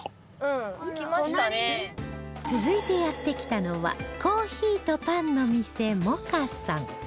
続いてやって来たのはコーヒーとパンの店モカさん